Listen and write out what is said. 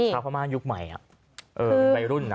ชาวพม่ายุคใหม่อ่ะใบรุ่นอ่ะ